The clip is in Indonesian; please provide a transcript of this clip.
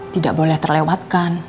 tidak boleh terlewatkan